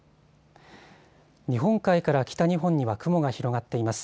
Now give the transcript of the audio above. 日本海から北日本には雲が広がっています。